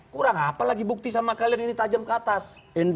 kurang apa lagi bukti sama kalian ini tajam ke atas